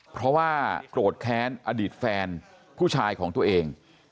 เพราะว่าโกรธแค้นอดีตแฟนผู้ชายของตัวเอง